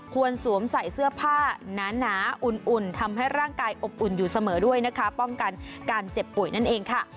สวมใส่เสื้อผ้าหนาอุ่นทำให้ร่างกายอบอุ่นอยู่เสมอด้วยนะคะป้องกันการเจ็บป่วยนั่นเองค่ะ